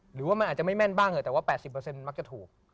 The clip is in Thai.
หรือว่ามันอาจจะไม่แม่นบ้างเถอะแต่ว่า๘๐มักจะถูก